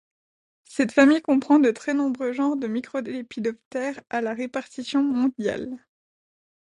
Cette famille comprend de très nombreux genres de microlépidoptères à la répartition mondiale.